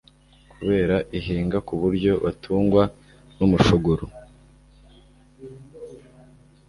kubera ihinga ku buryo batungwa n'umushogoro